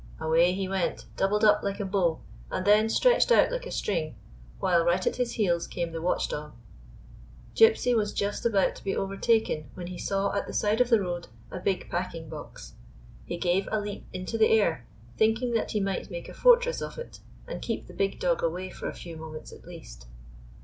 Away he went, doubled up like a bow, and then stretched out like a string, while right at his heels came the watchdog. Gypsy was just about to be overtaken when he saw at the side of the road a big packing box. He gave a leap into the air, thinking that he might make a fortress of it, and keep the big dog away for a few moments, at least.